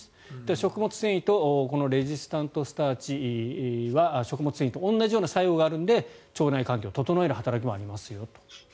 食物繊維とレジスタントスターチは食物繊維と同じような作用があるので腸内環境を整える作用がありますよと。